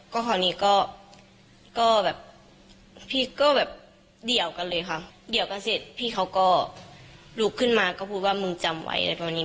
คราวนี้ก็แบบพี่ก็แบบเดี่ยวกันเลยค่ะเดี่ยวกันเสร็จพี่เขาก็ลุกขึ้นมาก็พูดว่ามึงจำไว้อะไรประมาณนี้